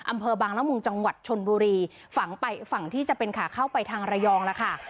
อำเภอบางละมุงจังหวัดชนบุรีฝังไปฝั่งที่จะเป็นขาเข้าไปทางระยองแล้วค่ะ